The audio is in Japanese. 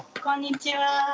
こんにちは。